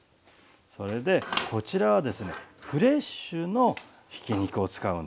それでこちらはですねフレッシュのひき肉を使うんですね